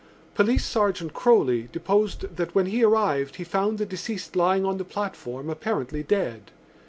Police Sergeant Croly deposed that when he arrived he found the deceased lying on the platform apparently dead.